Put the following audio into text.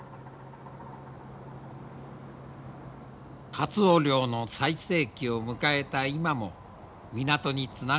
カツオ漁の最盛期を迎えた今も港につながれたままのカツオ漁船。